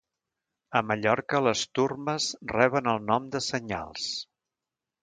A Mallorca les turmes reben el nom de senyals